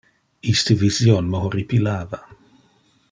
Iste vision me horripilava.